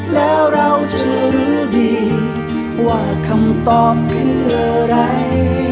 แล้วเราจะรู้ดีว่าคำตอบคืออะไร